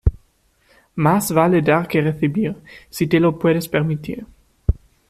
Más vale dar que recibir, si te lo puedes permitir.